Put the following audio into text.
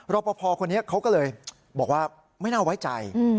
รอปภคนนี้เขาก็เลยบอกว่าไม่น่าไว้ใจ